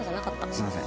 すいません。